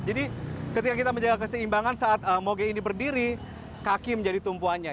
jadi ketika kita menjaga keseimbangan saat moge ini berdiri kaki menjadi tumpuannya